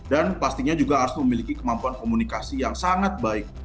dan pastinya juga harus memiliki kemampuan komunikasi yang sangat baik